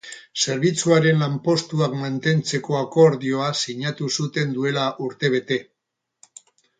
Zerbitzuaren lanpostuak mantentzeko akordioa sinatu zuten duela urtebete.